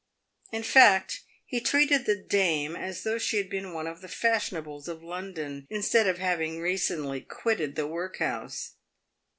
In fact, he treated the dame as though she had been one of the fashionables of London instead of having recently quitted the workhouse.